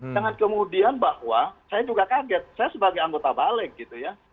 jangan kemudian bahwa saya juga kaget saya sebagai anggota balik gitu ya